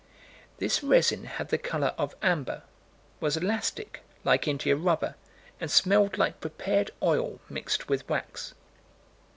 "This resin had the color of amber, was elastic, like India rubber, and smelled like prepared oil mixed with wax."